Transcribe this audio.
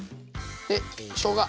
でしょうが。